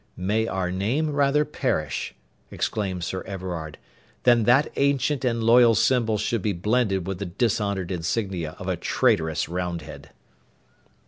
'May our name rather perish,' exclaimed Sir Everard, 'than that ancient and loyal symbol should be blended with the dishonoured insignia of a traitorous Roundhead!'